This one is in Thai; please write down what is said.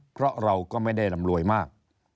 เพราะเราก็ไม่ได้รำรวยมาก